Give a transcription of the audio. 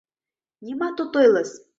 Нимат от ойлыс!